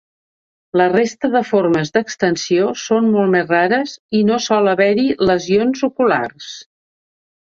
La resta de formes d'extensió són molt més rares i no sol haver-hi lesions oculars.